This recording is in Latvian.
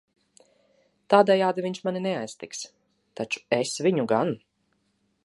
Tādejādi viņš mani neaiztiks, taču es viņu gan.